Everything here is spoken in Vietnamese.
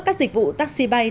các dịch vụ taxi bay